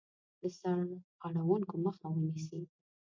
د سرغړونکو مخه ونیسي.